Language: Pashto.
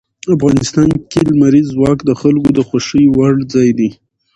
افغانستان کې لمریز ځواک د خلکو د خوښې وړ ځای دی.